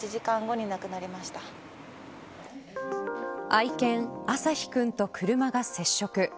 愛犬あさひ君と車が接触。